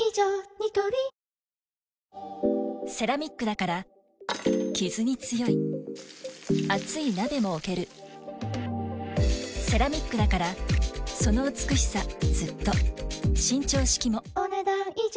ニトリセラミックだからキズに強い熱い鍋も置けるセラミックだからその美しさずっと伸長式もお、ねだん以上。